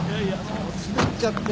滑っちゃって。